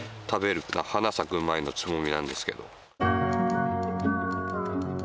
花咲く前のつぼみなんですけど。